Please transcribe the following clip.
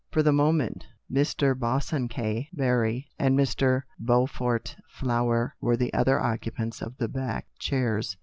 For the moment Mr. Bosanquet Barry and Mr. Beaufort Flower were the other occu pants of the bads chairs.